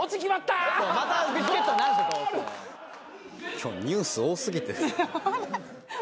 今日ニュース多過ぎて。